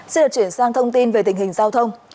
xin được chuyển sang thông tin về tình hình giao thông